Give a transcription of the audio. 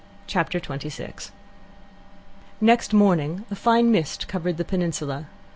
Chapter 26 Next morning a fine mist covered the peninsula.